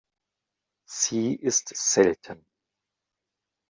Sie ist selten.